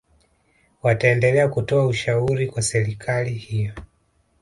wataendelea kutoa ushauri kwa serikali hiyo